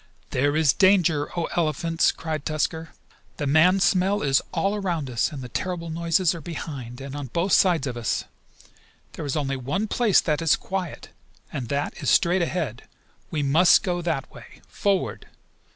"There is danger, O Elephants!" cried Tusker. "The man smell is all around us, and the terrible noises are behind, and on both sides of us. There is only one place that is quiet, and that is straight ahead. We must go that way! Forward!"